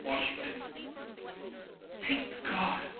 WASHINGTON. "Thank God!"